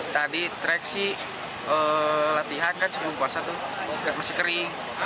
tadi track sih latihan kan sebelum puasa tuh masih kering